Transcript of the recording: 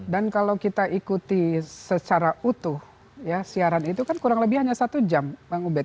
dan kalau kita ikuti secara utuh ya siaran itu kan kurang lebih hanya satu jam bang ubed